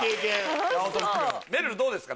めるるどうですか？